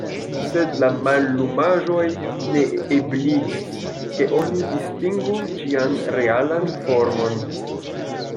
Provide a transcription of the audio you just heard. Sed la mallumaĵoj ne ebligis, ke oni distingu ĝian realan formon.